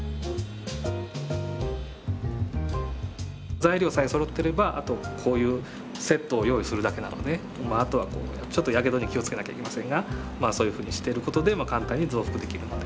材料さえそろってればあとこういうセットを用意するだけなのでまああとはちょっとやけどに気を付けなきゃいけませんがそういうふうにしている事で簡単に増幅できるので。